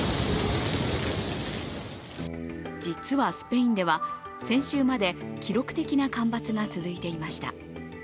実はスペインでは先週まで記録的な干ばつが続いていました。